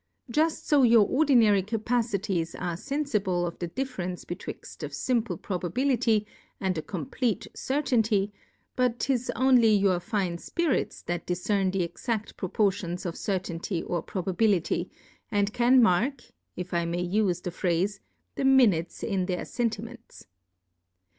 Juft fo your ordinary Capacities are fen fible of the Difference betwixt a Am ple Probability, and a compleat Cer tainty; but 'tis only your fine Spirits that difcern the exatl Proportions of Certainty or Probability, and can mark, if I may ufe the Phrafe, the Minutes \x\ their Sentiments.